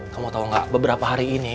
kamu tau gak beberapa hari ini